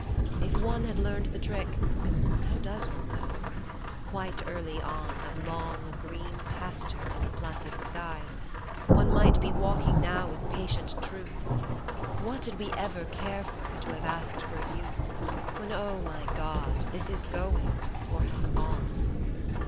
If one had learned the trick (How does one though ?) quite early on, Of long green pastures under placid skies, One might be walking now with patient truth. What did we ever care for it, who have asked for youth, When, oh ! my God ! this is going or has gone